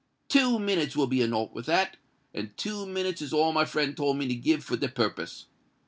Two minutes will be enow for that—and two minutes is all my friend told me to give for the purpose.